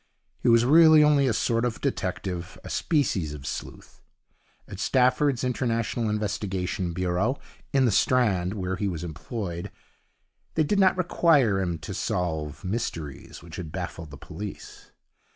He was really only a sort of detective, a species of sleuth. At Stafford's International Investigation Bureau, in the Strand, where he was employed, they did not require him to solve mysteries which had baffled the police.